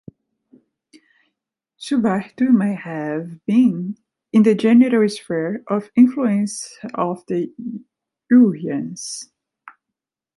Subartu may have been in the general sphere of influence of the Hurrians.